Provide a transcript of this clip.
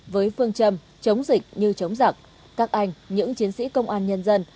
với phương châm chống dịch như chống giặc các anh những chiến sĩ công an nhân dân